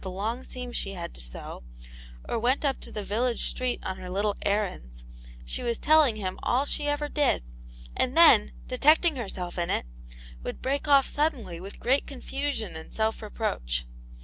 the long seams she had to sew, or went up tlie village street on her little errands, she was telling him aU she ever did, and then, detecting herself in it, wojuld break off suddenly with great confusion and self? reproach.